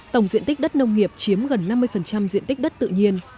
tổng diện tích đất nông nghiệp chiếm gần năm mươi diện tích đất tự nhiên